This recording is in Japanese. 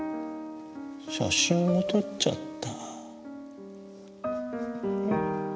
写真も撮っちゃった。